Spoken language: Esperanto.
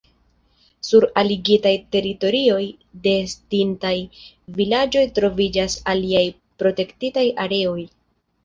Sur aligitaj teritorioj de estintaj vilaĝoj troviĝas aliaj protektitaj areoj.